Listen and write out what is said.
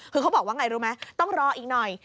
คือเขาบอกว่าไงรู้ไหมต้องรออีกหน่อย